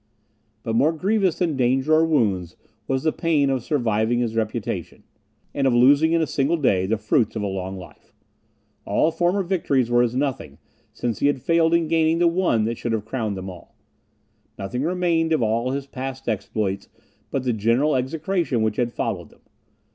But more grievous than danger or wounds was the pain of surviving his reputation, and of losing in a single day the fruits of a long life. All former victories were as nothing, since he had failed in gaining the one that should have crowned them all. Nothing remained of all his past exploits, but the general execration which had followed them.